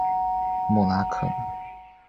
默拉克。